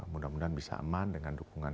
mudah mudahan bisa aman dengan dukungan